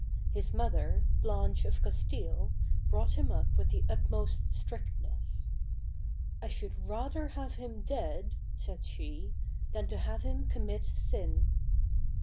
His mother, Blanche of Castile, brought him up with the utmost strictness. ''I should rather have him dead," said she, "than to have him commit sin."